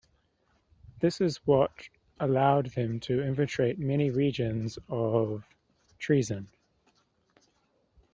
This is what allowed them to infiltrate many regions of Treason.